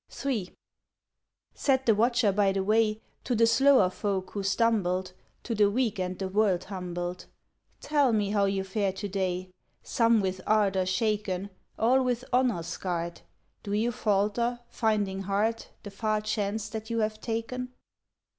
1 161 Ill Said the Watcher by the Way To the slower folk who stumbled, To the weak and the world humbled, "Tell me how you fare to day. Some with ardor shaken, All with honor scarred, Do you falter, finding hard The far chance that you have taken